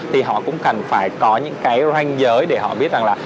thì họ cũng cần phải có những cái ranh giới để họ biết rằng là